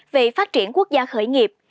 về phát triển quốc gia khởi nghiệp